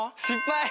失敗！